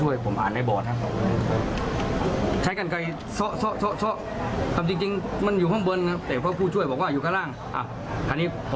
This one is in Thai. ว่าสนใจของเนื้อลูกสาว